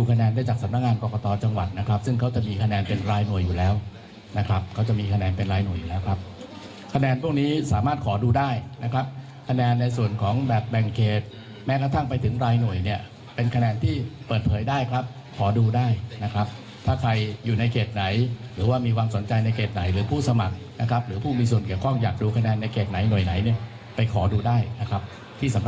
ครับเขาจะมีคะแนนเป็นรายหน่วยนะครับคะแนนพวกนี้สามารถขอดูได้นะครับคะแนนในส่วนของแบบแบ่งเขตแม้กระทั่งไปถึงรายหน่วยเนี่ยเป็นคะแนนที่เปิดเผยได้ครับขอดูได้นะครับถ้าใครอยู่ในเขตไหนหรือว่ามีความสนใจในเขตไหนหรือผู้สมัครนะครับหรือผู้มีส่วนเกี่ยวข้องอยากดูคะแนนในเขตไหนหน่วยไหนเนี่ยไปขอดูได้นะครับที่สํ